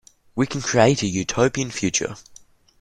We can create a Utopian future.